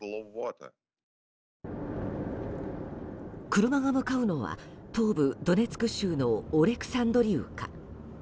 車が向かうのは東部ドネツク州のオレクサンドリウカ。